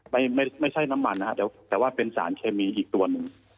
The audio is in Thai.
ไม่ใช่น้ำมันนะครับแต่ว่าเป็นสารเคมีอีกตัวหนึ่ง